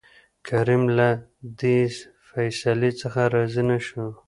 کريم له دې فيصلې څخه راضي نه شو.